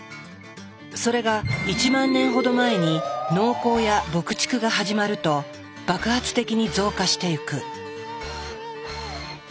それが１万年ほど前に農耕や牧畜が始まると爆発的に増加していく。